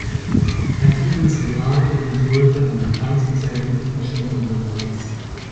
Er griff ins Regal und holte einen tausend Seiten dicken Schinken heraus.